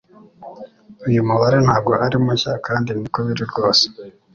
uyu mubare ntago ari mushya kandi niko biri rwose